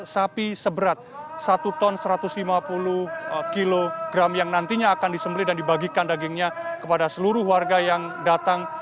sapi seberat satu ton satu ratus lima puluh kg yang nantinya akan disembeli dan dibagikan dagingnya kepada seluruh warga yang datang